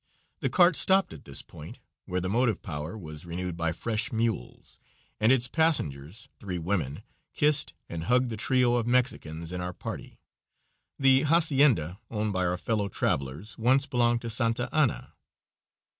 The cart stopped at this point, where the motive power was renewed by fresh mules, and its passengers three women kissed and hugged the trio of Mexicans in our party. The hacienda, owned by our fellow travelers, once belonged to Santa Anna.